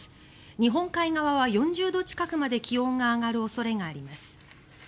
日本海側は４０度近くまで気温が上がる恐れがあります。